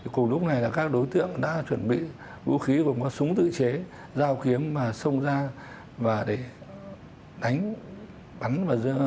cùng lúc này là các đối tượng đã chuẩn bị vũ khí cùng với súng tự chế dao kiếm và xông ra để đánh